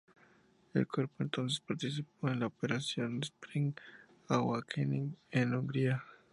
El cuerpo entonces participó en la Operación Spring Awakening en Hungría.